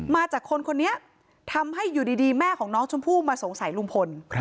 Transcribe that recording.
มาจากคนคนนี้ทำให้อยู่ดีแม่ของน้องชมพู่มาสงสัยลุงพล